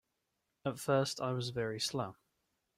At first I was very slow.